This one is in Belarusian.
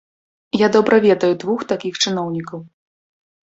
Я добра ведаю двух такіх чыноўнікаў.